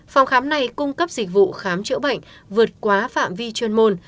phòng khám này cung cấp dịch vụ khám chữa bệnh vượt quá phạm vi chuyên môn